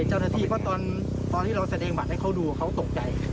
เจ้าหน้าที่ก็ตอนที่เราแสดงบัตรให้เขาดูเขาตกใจ